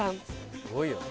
すごいよね。